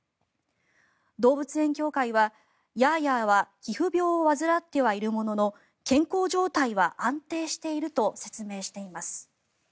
動物園協会は、ヤーヤーは皮膚病を患ってはいるものの健康状態は安定していると説明しています。